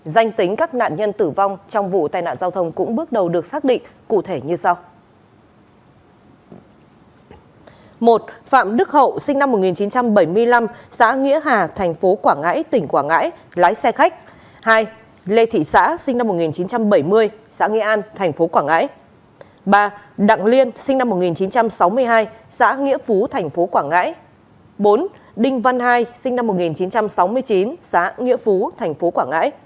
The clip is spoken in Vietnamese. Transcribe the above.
danh tính các nạn nhân tử vong trong vụ tai nạn giao thông cũng bước đầu được xác định cụ thể như sau